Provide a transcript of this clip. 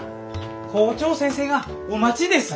校長先生がお待ちです。